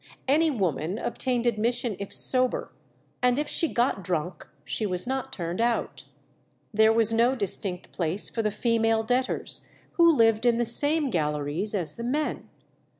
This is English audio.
Any woman obtained admission if sober, and if she got drunk she was not turned out. There was no distinct place for the female debtors, who lived in the same galleries as the men.